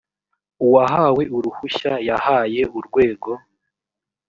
uwahawe uruhushya yahaye urwego